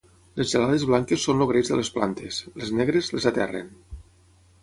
Les gelades blanques són el greix de les plantes; les negres, les aterren.